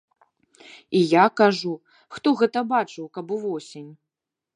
І я кажу, хто гэта бачыў, каб увосень.